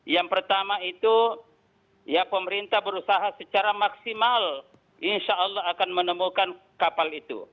yang pertama itu ya pemerintah berusaha secara maksimal insya allah akan menemukan kapal itu